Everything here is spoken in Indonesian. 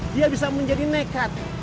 dia bisa menjadi nekat